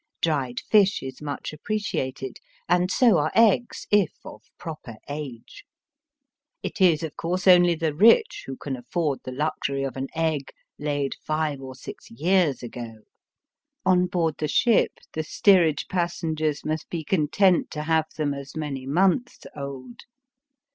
Dried fish is much appreciated, and so are eggs if of proper age. It is of course only the rich who can afford the luxury of an egg laid five or six years ago. On board the ship the steerage passengers must be content to havfe them as many months old.